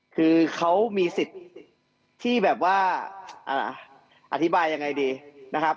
คือเขามีสิทธิ์ที่แบบว่าอธิบายยังไงดีนะครับ